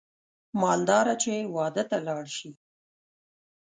مالداره چې واده ته لاړ شي